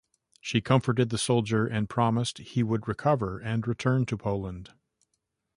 She comforted the soldier and promised he would recover and return to Poland.